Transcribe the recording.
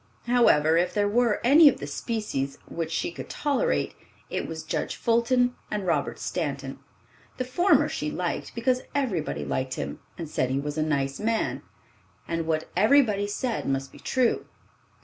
However, if there were any of the species which she could tolerate, it was Judge Fulton and Robert Stanton. The former she liked, because everybody liked him, and said he was a "nice man, and what everybody said must be true."